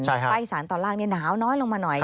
ภาคอีสานตอนล่างหนาวน้อยลงมาหน่อย